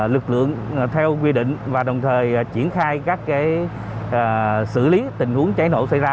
lực lượng theo quy định và đồng thời triển khai các xử lý tình huống cháy nổ xảy ra